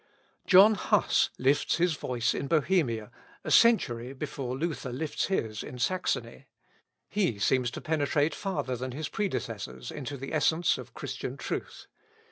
John Huss lifts his voice in Bohemia, a century before Luther lifts his in Saxony. He seems to penetrate farther than his predecessors into the essence of Christian truth.